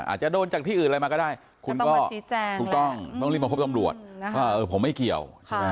อาจจะโดนจากที่อื่นอะไรมาก็ได้คุณก็ต้องรีบมาพบตำรวจผมไม่เกี่ยว